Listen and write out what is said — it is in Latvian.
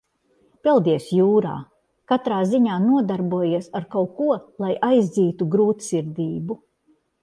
Peldies jūrā, katrā ziņā nodarbojies ar kaut ko, lai aizdzītu grūtsirdību.